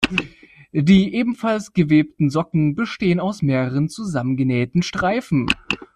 Die ebenfalls gewebten Socken bestehen aus mehreren zusammengenähten Streifen.